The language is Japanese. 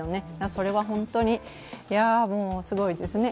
それは本当にすごいですね。